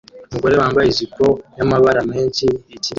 Umugore wambaye ijipo yamabara menshi ikirere